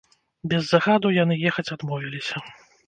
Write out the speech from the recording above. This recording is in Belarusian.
Без загаду яны ехаць адмовіліся.